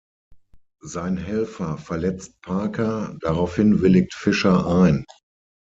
Sein Helfer verletzt Parker, daraufhin willigt Fisher ein.